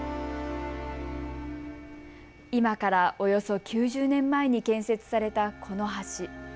今からおよそ９０年前に建設されたこの橋。